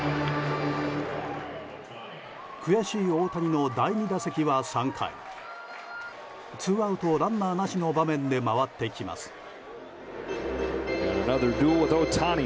悔しい大谷の第２打席は３回ツーアウトランナーなしの場面で回ってきます。